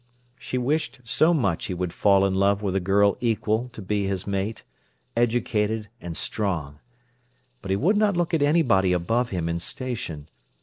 She wished so much he would fall in love with a girl equal to be his mate—educated and strong. But he would not look at anybody above him in station.